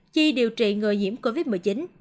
chi điều trị người nhiễm covid một mươi chín